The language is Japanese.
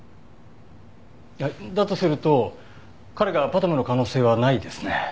だとすると彼がＰＡＴＭの可能性はないですね。